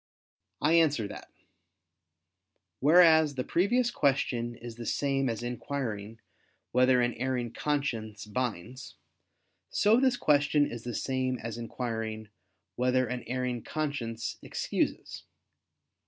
I answer that, Whereas the previous question is the same as inquiring "whether an erring conscience binds"; so this question is the same as inquiring "whether an erring conscience excuses."